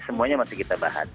semuanya masih kita bahas